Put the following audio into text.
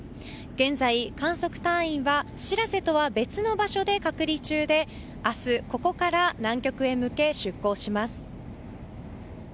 現在、観測隊員は「しらせ」とは別の場所で隔離中で明日、ここから南極へ向け出航します。